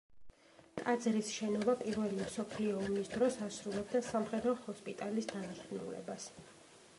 ტაძრის შენობა პირველი მსოფლიო ომის დროს ასრულებდა სამხედრო ჰოსპიტალის დანიშნულებას.